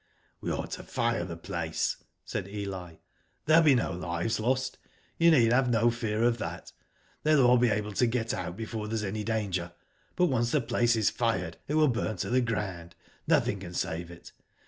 '' We ought to fire the place," said Eli. '* There'll be no lives lost ; you need have no fear of that. They'll all be able to get out before there is any danger; but once the place is fired; it will burn to the ground, nothing can save it.